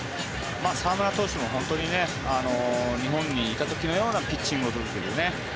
澤村投手も日本にいた時のようなピッチングを続ける。